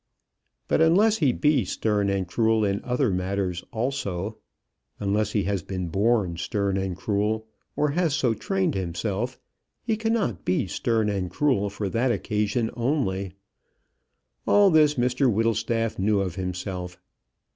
But unless he be stern and cruel in other matters also, unless he has been born stern and cruel, or has so trained himself, he cannot be stern and cruel for that occasion only. All this Mr Whittlestaff knew of himself.